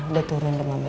udah turunin mama